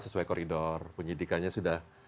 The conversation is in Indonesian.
sesuai koridor penyidikannya sudah